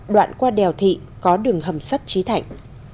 đoạn qua đèo thị có đường hầm sắt trí thạnh